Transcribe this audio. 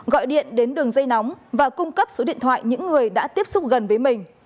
gọi điện đến đường dây nóng và cung cấp số điện thoại những người đã tiếp xúc gần với mình